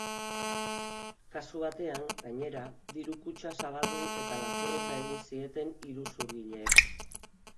Kasu batean, gainera, diru-kutxa zabaldu eta lapurreta egin zieten iruzurgileek.